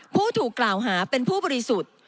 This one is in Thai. ผู้ถูกกล่าวหาเป็นผู้บริสุทธิ์